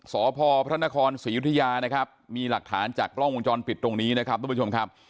สพพระนครศรียุธยานะครับมีหลักฐานจากกล้องวงจรปิดตรงนี้นะครับทุกผู้ชมครับ